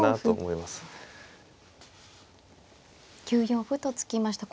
９四歩と突きました。